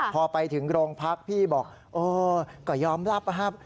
พอไปถึงรงพักพี่บอกก็ยอมรับ